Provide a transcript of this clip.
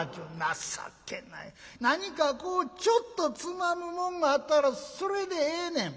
何かこうちょっとつまむもんがあったらそれでええねん」。